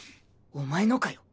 お前のかよ。